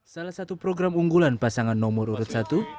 salah satu program unggulan pasangan nomor urut satu